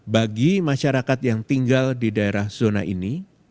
bagi masyarakat yang tinggal di daerah zona ini